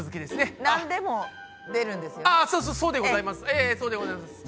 ええそうでございます。